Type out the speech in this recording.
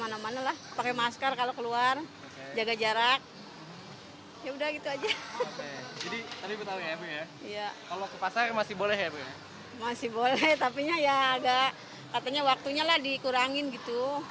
masih boleh tapinya ya agak katanya waktunya lah dikurangin gitu